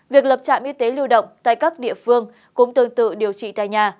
việc lập trạm y tế lưu động tại các địa phương cũng tương tự điều trị tại nhà